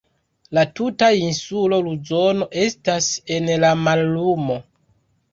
La tuta insulo Luzono estas en la mallumo.